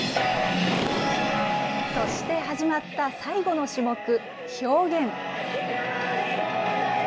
そして始まった最後の種目、表現。